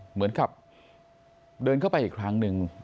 เหมือนกับเดินเข้าไปอีกครั้งหนึ่ง